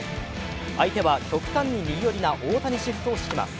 相手は極端に右寄りな大谷シフトを敷きます。